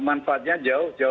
manfaatnya jauh lebih besar